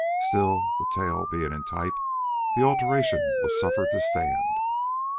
Still, the tale being in type, the alteration was suffered to stand.